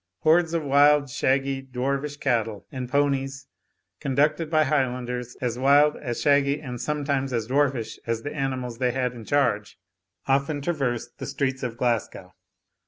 Hordes of wild shaggy, dwarfish cattle and ponies, conducted by Highlanders, as wild, as shaggy, and sometimes as dwarfish, as the animals they had in charge, often traversed the streets of Glasgow.